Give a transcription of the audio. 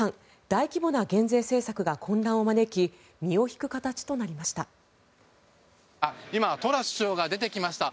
大規模な減税政策が混乱を招き身を引く形となりました。